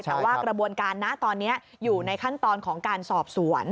แต่ว่ากระบวนการนะตอนนี้อยู่ในขั้นตอนของการสอบสวน